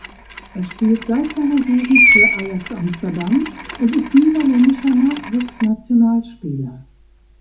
Er spielt seit seiner Jugend für Ajax Amsterdam und ist niederländischer Nachwuchsnationalspieler.